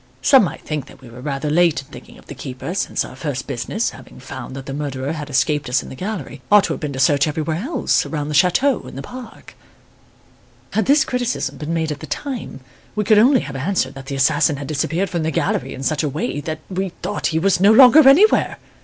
Some might think that we were rather late in thinking of the keeper, since our first business, after having found that the murderer had escaped us in the gallery, ought to have been to search everywhere else, around the chateau, in the park "Had this criticism been made at the time, we could only have answered that the assassin had disappeared from the gallery in such a way that we thought he was no longer anywhere!